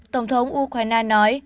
tổng thống ukraine nói